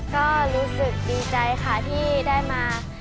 ก็รู้สึกดีใจค่ะที่ได้มา